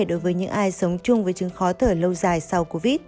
đối với những ai sống chung với chứng khó thở lâu dài sau covid